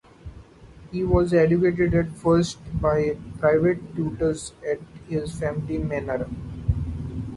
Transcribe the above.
He was educated at first by private tutors at his family manor.